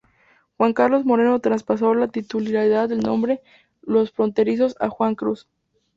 Juan Carlos Moreno traspasó la titularidad del nombre "Los Fronterizos" a Juan Cruz.